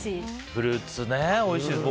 フルーツおいしいよね。